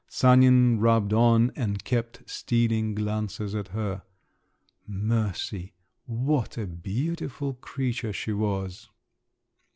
Sanin rubbed on, and kept stealing glances at her. Mercy! what a beautiful creature she was!